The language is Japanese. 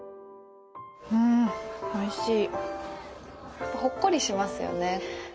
んおいしい。